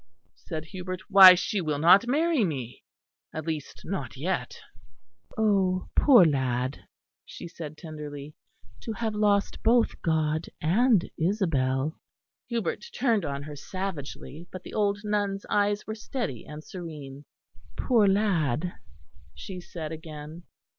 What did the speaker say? said Hubert, "why she will not marry me; at least not yet." "Oh, poor lad," she said tenderly, "to have lost both God and Isabel." Hubert turned on her savagely. But the old nun's eyes were steady and serene. "Poor lad!" she said again.